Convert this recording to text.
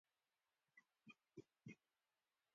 منطق او استدلال د یوه اصل په توګه مني.